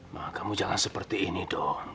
maka kamu jangan seperti ini dong